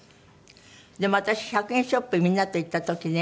でも私１００円ショップへみんなと行った時ね